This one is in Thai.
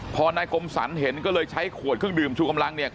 พอนายกมสรรเห็นก็เลยใช้ขวดเครื่องดื่มชูกำลังเนี่ย